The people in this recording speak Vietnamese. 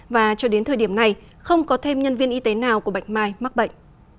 và cho đến thời điểm này không có thêm nhân viên y tế nào của bạch mai mắc bệnh